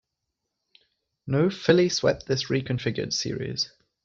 No filly swept this reconfigured series.